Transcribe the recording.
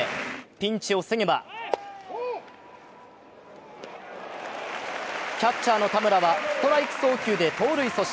ピンチを防げばキャッチャーの田村はストライク送球で盗塁阻止。